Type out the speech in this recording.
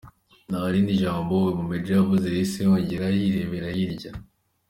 Nta rindi jambo uwo mu Major yavuze yahise yongera yirebera hirya.